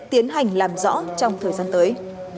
tiến hành làm rõ trong thời gian tới